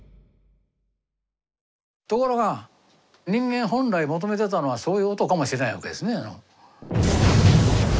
ところが人間本来求めてたのはそういう音かもしれないわけですね。